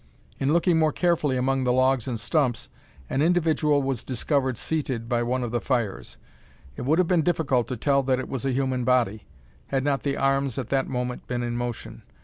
In looking more carefully among the logs and stumps, an individual was discovered seated by one of the fires. It would have been difficult to tell that it was a human body, had not the arms at the moment been in motion.